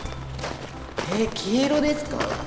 えっ黄色ですか？